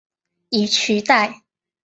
以取代。